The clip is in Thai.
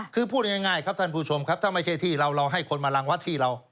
คือพูดง่ายครับท่านผู้ชมครับถ้าไม่ใช่ที่เราเราให้คนมารังวัดที่เรา